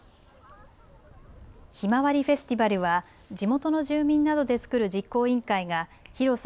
ひまわりフェスティバルは地元の住民などで作る実行委員会が広さ